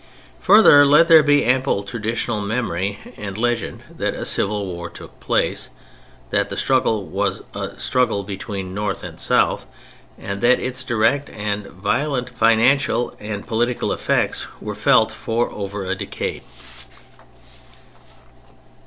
Further, let there be ample traditional memory and legend that a civil war took place, that the struggle was a struggle between North and South, and that its direct and violent financial and political effects were felt for over a decade.